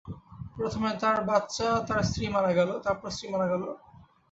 প্রথমে তার বাচ্চা, তারপর স্ত্রী মারা গেল।